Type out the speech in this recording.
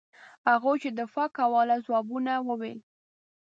هغوی چې دفاع کوله ځوابونه وویل.